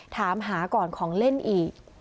ถามหาก่อนของเล่นอีก